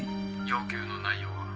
「要求の内容は？」